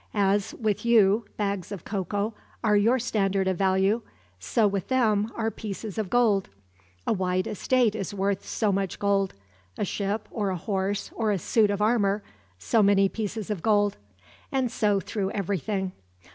As with you bags of cocoa are your standard of value, so with them are pieces of gold. A wide estate is worth so much gold; a ship, or a horse, or a suit of armor, so many pieces of gold; and so through everything.